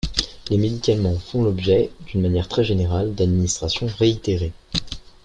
Les médicaments font l'objet, d'une manière très générale, d'administrations réitérées.